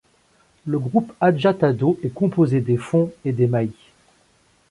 Le groupe Adja-Tado est composé des Fon et des Mahi.